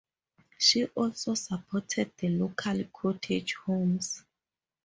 She also supported the local Cottage homes.